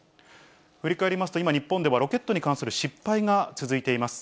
振り返りますと、今、日本ではロケットに関する失敗が続いています。